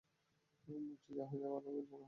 এখন ভাবছি, যা হয়েছে ভালোর জন্যই হয়েছে।